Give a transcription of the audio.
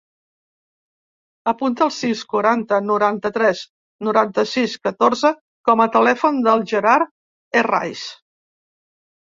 Apunta el sis, quaranta, noranta-tres, noranta-sis, catorze com a telèfon del Gerard Herraiz.